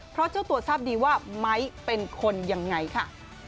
เพราะเจ้าตัวทราบดีว่าไม้เป็นคนยังไงค่ะ